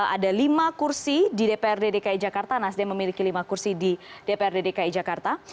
ada lima kursi di dprd dki jakarta nasdem memiliki lima kursi di dprd dki jakarta